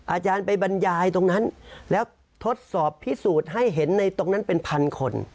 อาจารย์ไปบรรยายตรงนั้นแล้วทดสอบพิสูจน์ให้เห็นในตรงนั้นเป็นพันคน